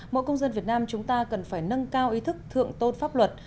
mỗi công dân việt nam chúng ta cần phải nâng cao ý thức thượng tôn pháp luật